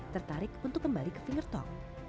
tertarik untuk kembali ke finger talk